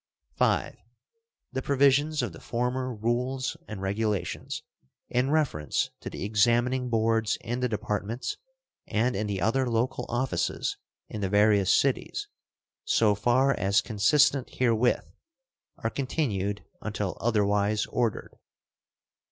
(5) The provisions of the former rules and regulations in reference to the examining boards in the Departments and in the other local offices in the various cities, so far as consistent herewith, are continued until otherwise ordered.